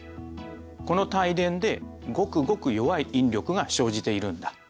この帯電でごくごく弱い引力が生じているんだ。